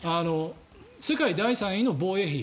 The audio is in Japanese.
世界第３位の防衛費